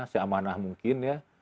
seamanah mungkin ya